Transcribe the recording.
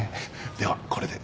ではこれで。